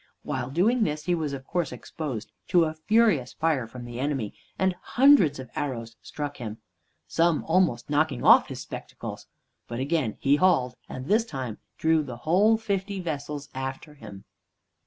While doing this he was of course exposed to a furious fire from the enemy, and hundreds of arrows struck him, some almost knocking off his spectacles. But again he hauled, and this time drew the whole fifty vessels after him.